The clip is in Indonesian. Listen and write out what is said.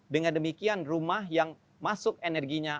dengan demikian rumah yang masuk energinya